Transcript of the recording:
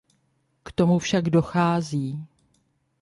K tomu však dochází.